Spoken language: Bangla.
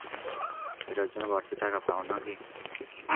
এটার জন্য বাড়তি টাকা পাও নাকি?